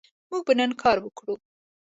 موږ به نن کار وکړو